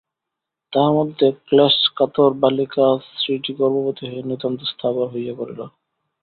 তাহার মধ্যে ক্লেশকাতর বালিকা স্ত্রীটি গর্ভবতী হইয়া নিতান্ত স্থাবর হইয়াই পড়িল।